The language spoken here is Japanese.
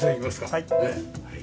はい。